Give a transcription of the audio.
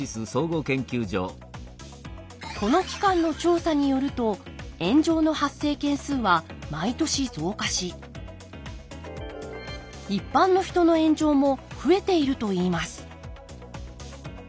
この機関の調査によると炎上の発生件数は毎年増加し一般の人の炎上も増えているといいます。